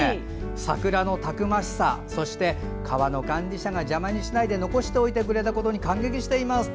桜のたくましさそして川の管理者が邪魔にしないで残しておいてくれたことに感激しています。